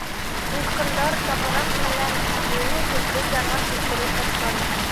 Тулҡындар тағараҡ менән мине һеҙҙең ярға килтереп ташланы.